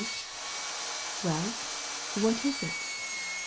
Why, what is it?